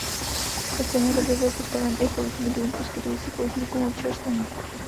Ve stejné době byl postaven i poutní dům poskytující poutníkům občerstvení.